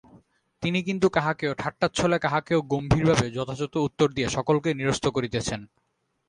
তিনি কিন্তু কাহাকেও ঠাট্টাচ্ছলে, কাহাকেও গম্ভীরভাবে যথাযথ উত্তর দিয়া সকলকেই নিরস্ত করিতেছেন।